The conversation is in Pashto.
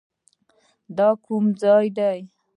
دا کوم ځاى دى.